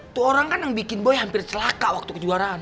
itu orang kan yang bikin boy hampir celaka waktu kejuaraan